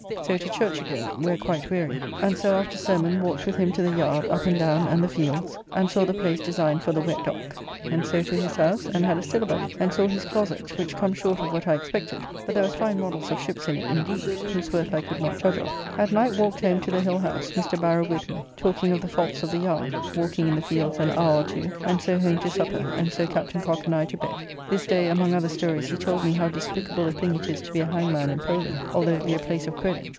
So to church again, where quite weary, and so after sermon walked with him to the yard up and down and the fields, and saw the place designed for the wet dock. And so to his house, and had a syllabub, and saw his closet, which come short of what I expected, but there was fine modells of ships in it indeed, whose worth I could not judge of. At night walked home to the Hill house, Mr. Barrow with me, talking of the faults of the yard, walking in the fields an hour or two, and so home to supper, and so Captain Cocke and I to bed. This day among other stories he told me how despicable a thing it is to be a hangman in Poland, although it be a place of credit.